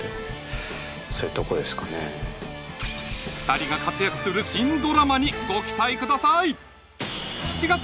２人が活躍する新ドラマにご期待ください